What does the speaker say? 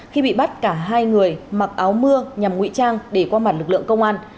khi bị bắt cả hai người mặc áo mưa nhằm ngụy trang để qua mặt lực lượng công an